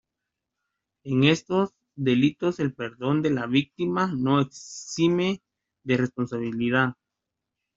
En estos delitos el perdón de la víctima no exime de responsabilidad.